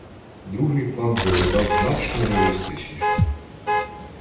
Другий план виглядав значно реалістичнішим.